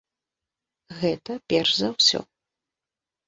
Гэта перш за ўсё.